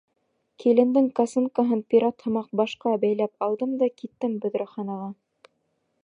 Килендең косынкаһын пират һымаҡ башҡа бәйләп алдым да киттем бөҙрәханаға.